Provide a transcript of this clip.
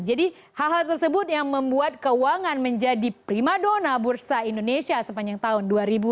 jadi hal hal tersebut yang membuat keuangan menjadi prima dona bursa indonesia sepanjang tahun dua ribu tujuh belas